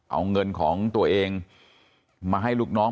เอาเงินของตัวเองมาให้ลูกน้อง